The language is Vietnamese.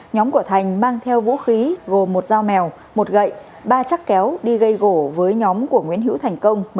nhóm của thành mang theo vũ khí gồm một dao mèo một gậy ba chắc kéo đi gây gổ với nhóm của nguyễn hữu thành công